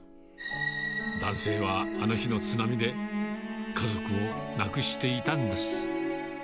男性は、あの日の津波で、家族を亡くしていたんです。